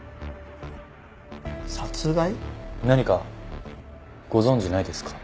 何かご存じないですか？